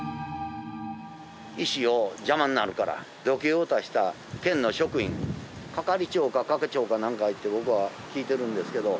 石を邪魔になるからどけようとした県の職員係長か課長かなんかって僕は聞いてるんですけど。